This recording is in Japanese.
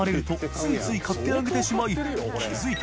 ついつい買ってあげてしまいど佞い燭